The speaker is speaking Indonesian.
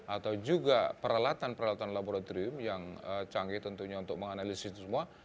atau juga peralatan peralatan laboratorium yang canggih tentunya untuk menganalisis itu semua